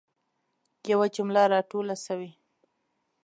یوه جمله را توله سوي.